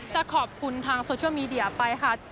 จะขอบคุณทางโซเชียลมีเดียไปค่ะ